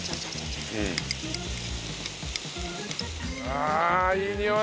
ああいいにおい！